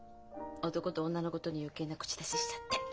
男と女のことに余計な口出ししちゃって。